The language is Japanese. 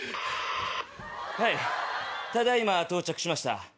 はいただ今到着しました。